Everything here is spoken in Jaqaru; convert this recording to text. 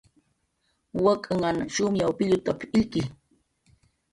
Wak'nhan shumyaw pillutaq illki